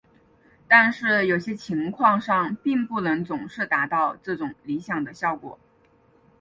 但是在有些情况上并不能总是达到这种理想的效果。